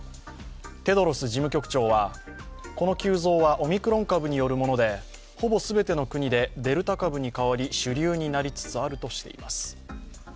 テドロス事務局長はこの急増はオミクロン株によるものでほぼ全ての国でデルタ株に変わり、主流になりつつあるとしています。